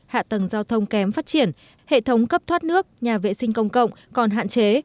hạ tầng giao thông kém phát triển hệ thống cấp thoát nước nhà vệ sinh công cộng còn hạn chế